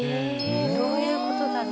どういうことだろう？